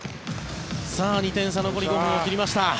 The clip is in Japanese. さあ、２点差残り５分を切りました。